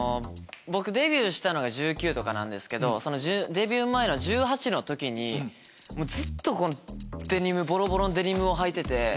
僕デビューしたのが１９とかなんですけどデビュー前の１８の時にずっとボロボロのデニムをはいてて。